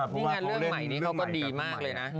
นี่ไงเรื่องใหม่นี้เขาก็ดีมากเลยนะ